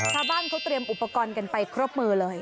ชาวบ้านเขาเตรียมอุปกรณ์กันไปครบมือเลย